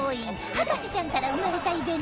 『博士ちゃん』から生まれたイベント